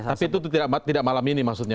tapi itu tidak malam ini maksudnya